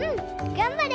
がんばれ。